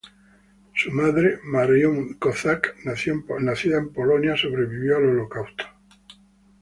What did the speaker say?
Su madre, Marion Kozak, nacida en Polonia, sobrevivió al holocausto.